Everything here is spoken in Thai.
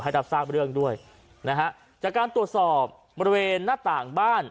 รับทราบเรื่องด้วยนะฮะจากการตรวจสอบบริเวณหน้าต่างบ้าน